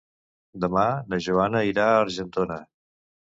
Demà na Joana irà a Argentona.